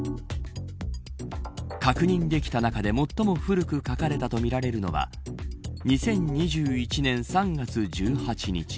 確認できた中で、最も古く書かれたとみられるのは２０２１年３月１８日。